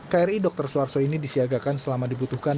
kri dr suharto ini disiagakan selama dibutuhkan